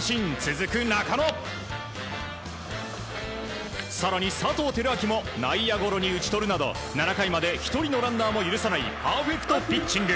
続く中野、更に佐藤輝明も内野ゴロに打ち取るなど７回まで１人のランナーも許さないパーフェクトピッチング。